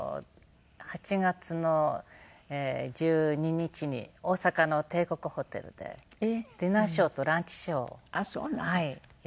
８月の１２日に大阪の帝国ホテルでディナーショーとランチショーをやります。